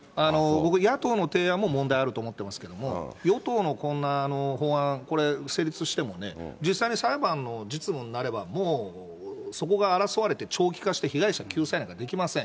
僕、野党の提案も問題あると思ってますけども、与党のこんな法案、これ成立してもね、実際に裁判の実務になれば、もうそこが争われて長期化して、被害者救済なんかできません。